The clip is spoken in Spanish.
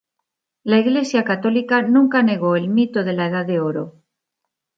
La Iglesia católica nunca negó el mito de la Edad de oro.